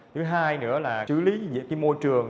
thứ hai nữa là xử lý môi trường